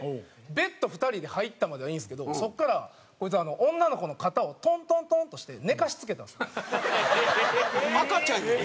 ベッド２人で入ったまではいいんですけどそこからこいつ女の子の肩をトントントンとして赤ちゃんやん！